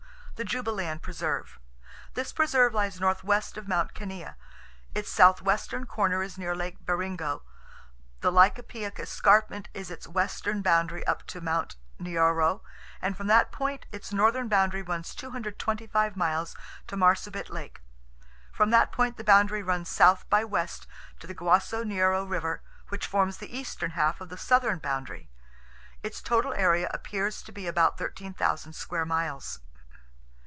The Jubaland Preserve.—This preserve lies northwest of Mount Kenia. Its southwestern corner is near Lake Baringo, the Laikipia Escarpment is its western boundary up to Mt. Nyiro, and from that point its northern boundary runs 225 miles to Marsabit Lake. From that point the boundary runs south by west to the Guaso Nyiro River, which forms the eastern half of the southern boundary. Its total area appears to be about 13,000 square miles.